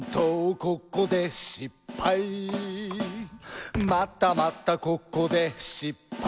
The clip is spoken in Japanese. ここでしっぱい」「またまたここでしっぱい」